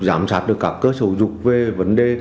giám sát được các cơ sở dục về vấn đề